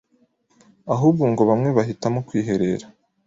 ahubwo ngo bamwe bahitamo kwiherera